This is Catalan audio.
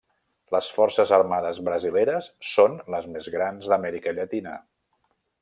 Les forces armades brasileres són les més grans d'Amèrica Latina.